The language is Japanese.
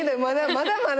まだまだ。